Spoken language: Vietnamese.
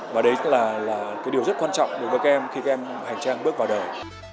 và đấy là điều rất quan trọng đối với các em khi các em hành trang bước vào đời